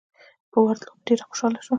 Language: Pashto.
په ورتلو مو ډېر خوشاله شو.